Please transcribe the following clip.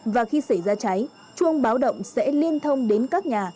và khi xảy ra cháy chuông báo động sẽ liên thông đến các nhà